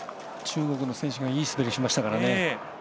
中国の選手がいい滑りしましたからね。